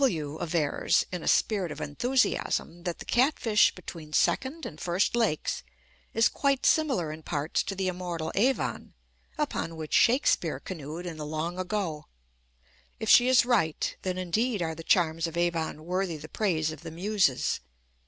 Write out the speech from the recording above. W avers, in a spirit of enthusiasm, that the Catfish between Second and First Lakes is quite similar in parts to the immortal Avon, upon which Shakespeare canoed in the long ago. If she is right, then indeed are the charms of Avon worthy the praise of the Muses.